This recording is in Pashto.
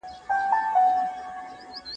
¬ مساپري بده بلا ده.